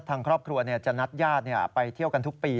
ทางครอบครัวจะนัดญาติไปเที่ยวกันทุกปี